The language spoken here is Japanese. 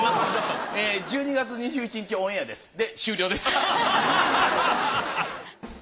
１２月２１日オンエアですで終了です。